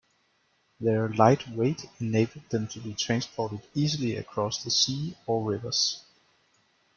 Their light weight enabled them to be transported easily across the sea or rivers.